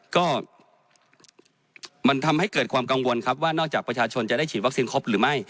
ก็มันทำให้เกิดความกังวลครับว่านอกจากประชาชนจะได้ฉีดวัคซีนครบหรือไม่